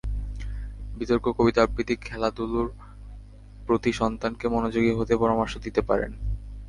বিতর্ক, কবিতা আবৃত্তি, খেলাধুলার প্রতি সন্তানকে মনোযোগী হতে পরামর্শ দিতে পারেন।